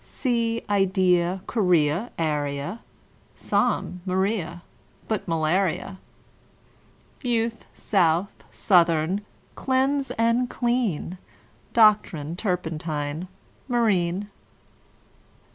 Sea, idea, guinea, area, Psalm; Maria, but malaria; Youth, south, southern; cleanse and clean; Doctrine, turpentine, marine.